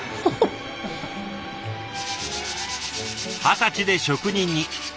二十歳で職人に。